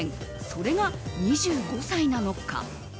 それが２５歳なのか。